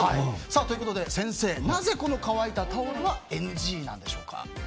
先生、なぜこの乾いたタオルがＮＧなんでしょうか。